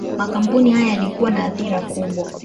Makampuni haya yalikuwa na athira kubwa.